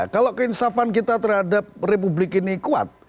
kalau keinsafan kita terhadap republik ini kuat